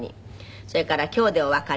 それから『今日でお別れ』。